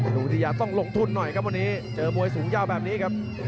วิทยาต้องลงทุนหน่อยครับวันนี้เจอมวยสูงยาวแบบนี้ครับ